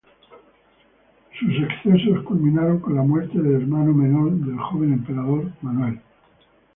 Sus excesos culminaron con la muerte del hermano menor del joven emperador, Manuel.